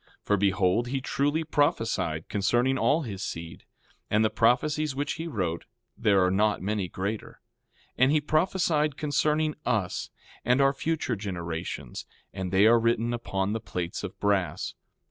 4:2 For behold, he truly prophesied concerning all his seed. And the prophecies which he wrote, there are not many greater. And he prophesied concerning us, and our future generations; and they are written upon the plates of brass.